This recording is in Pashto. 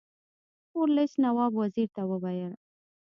ورلسټ نواب وزیر ته وویل.